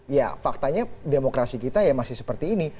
ya faktanya demokrasi kita ya masih seperti ini